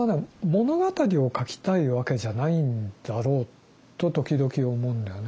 物語を書きたいわけじゃないんだろうと時々思うんだよね。